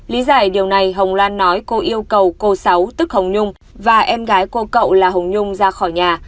lý giải điều này hồng lan nói cô yêu cầu cô sáu tức hồng nhung và em gái cô cậu là hồng nhung ra khỏi nhà